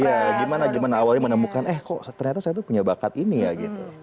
iya gimana gimana awalnya menemukan eh kok ternyata saya tuh punya bakat ini ya gitu